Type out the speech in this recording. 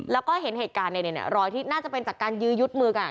แล้วก็เห็นเหตุการณ์ในนี้เนี่ยรอยที่น่าจะเป็นจากการยืดมือกัน